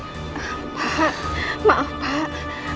pak maaf pak